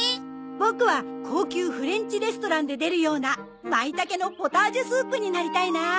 ボクは高級フレンチレストランで出るような舞茸のポタージュスープになりたいな。